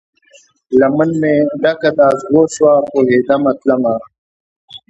لمن مې ډکه د اغزو شوه، پوهیدمه تلمه